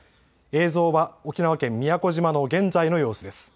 映像は沖縄県宮古島の現在の様子です。